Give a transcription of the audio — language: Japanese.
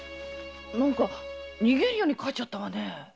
なんか逃げるように帰っちゃったわねえ。